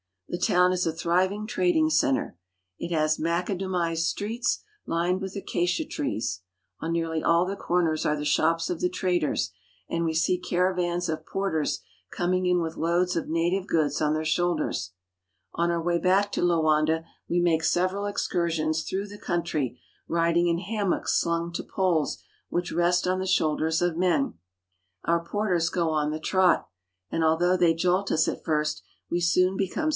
The town is a thriving trading center It has macadamized streets, lined with acacia trees. On nearly ail the corners are the shops of the traders ; and we 1 ._.— :i* t ^^ '"^"'Wlm^ imi^^'f' mw^ 1 "We go along Ihe coasi ... to Loanda, ..." ee caravans of porters coming in with loads of native 'oods on their shoulders. On our way back to Loanda we make several excursion hrough the country, riding in hammocks slung to poles vhich rest on the shoulders of men. Our porters go on he trot, and although they jolt us at first, we soon become 0.